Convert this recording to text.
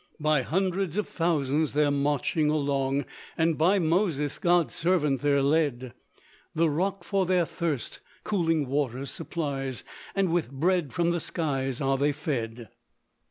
By hundreds of thousands they're marching along, And by Moses, God's servant, they're led; The rock for their thirst, cooling water supplies, And with bread from the skies are they fed.